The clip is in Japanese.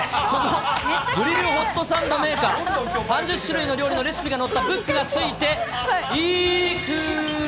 グリルホットサンドメーカー、３０種類の料理のレシピのブックがついていくら？